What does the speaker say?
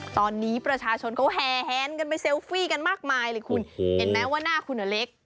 ตอนนี้ประชาชนเขาแหนกันไปเซลฟี่กันมากมายเลยคุณเห็นไหมว่าหน้าคุณเล็ก